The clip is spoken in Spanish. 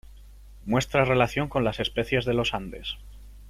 Muestra relación con la especie de Los Andes.